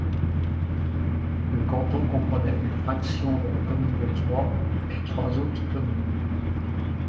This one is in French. Le canton comprenait une fraction de la commune de Troyes et trois autres communes.